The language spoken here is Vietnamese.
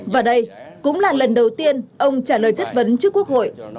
và đây cũng là lần đầu tiên ông trả lời chất vấn trước quốc hội